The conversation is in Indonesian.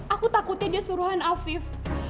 aku takutin dia suruhan afif